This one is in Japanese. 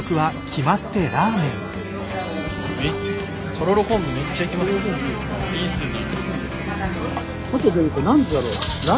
とろろ昆布めっちゃいきますね。